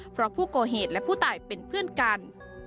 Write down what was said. เพราะผู้ก่อเหตุและผู้ตายเป็นเพื่อนกัน